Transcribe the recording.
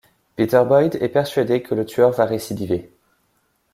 Peter Boyd est persuadé que le tueur va récidiver.